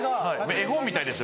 絵本みたいでしょ